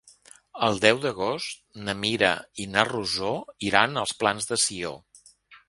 El deu d'agost na Mira i na Rosó iran als Plans de Sió.